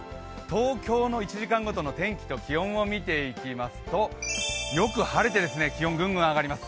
東京の１時間ごとの天気と気温を見ていきますとよく晴れて気温はぐんぐん上がります。